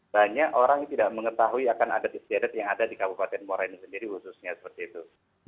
banyak orang yang tidak mengetahui akan adat istiadat yang ada di kabupaten muara ini sendiri khususnya seperti itu